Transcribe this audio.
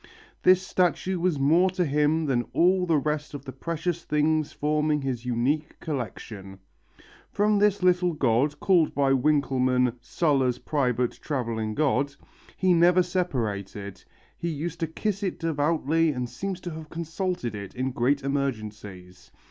This statue was more to him than all the rest of the precious things forming his unique collection. From this little god, called by Winckelmann "Sulla's private travelling god," he never separated. He used to kiss it devoutly and seems to have consulted it in great emergencies.